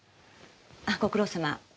あっご苦労さま。